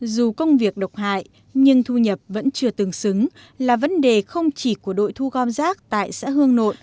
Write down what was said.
dù công việc độc hại nhưng thu nhập vẫn chưa tương xứng là vấn đề không chỉ của đội thu gom rác tại xã hương nội